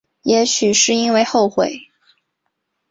也许是因为后悔